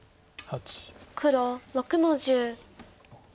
黒６の十。